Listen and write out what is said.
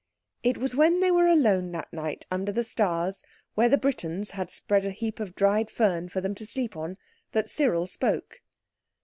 It was when they were alone that night under the stars where the Britons had spread a heap Of dried fern for them to sleep on, that Cyril spoke.